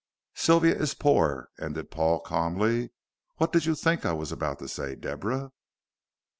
"Sylvia is poor," ended Paul, calmly. "What did you think I was about to say, Deborah?"